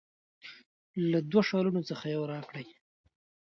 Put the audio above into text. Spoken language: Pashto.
له دوه شالونو څخه یو راکړي.